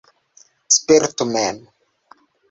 Spertu mem!